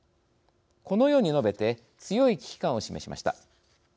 このように述べて強い危機感を示しました。